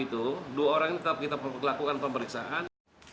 itu dua orang ini tetap kita lakukan pemeriksaan